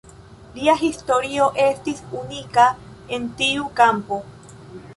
Lia Historioj estis unika en tiu kampo.